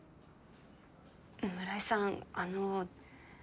村井さんあの。